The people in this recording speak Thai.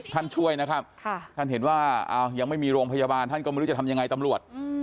ช่วยนะครับท่านเห็นว่ายังไม่มีโรงพยาบาลท่านก็ไม่รู้จะทำยังไงตำรวจ